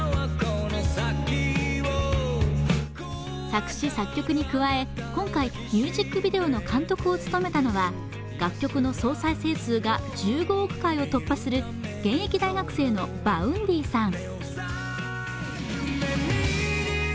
作詞作曲に加え今回ミュージックビデオの監督を務めたのは楽曲の総再生数が１５億回を突破する現役大学生のＶａｕｎｄｙさん。